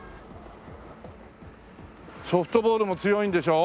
ソフトボールも強いんでしょ？